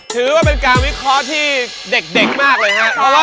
ถือว่าเป็นการวิเคราะห์ที่เด็กมากเลยครับ